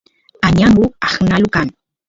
añangu aqnalu kan